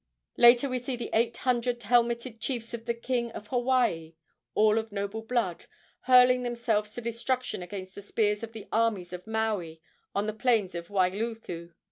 Later we see the eight hundred helmeted chiefs of the king of Hawaii, all of noble blood, hurling themselves to destruction against the spears of the armies of Maui on the plains of Wailuku.